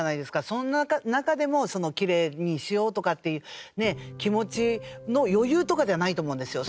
そんな中でもきれいにしようとかっていう気持ちの余裕とかじゃないと思うんですよ。